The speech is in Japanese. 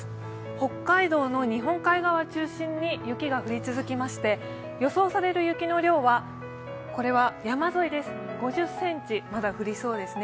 北海道の日本海側を中心に雪が降り続きまして予想される雪の量は、山沿いで５０ｃｍまだ降りそうですね。